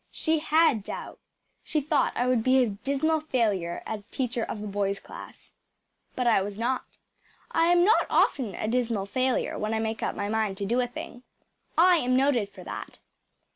She HAD doubt. She thought I would be a dismal failure as teacher of a boys’ class. But I was not. I am not often a dismal failure when I make up my mind to do a thing. I am noted for that.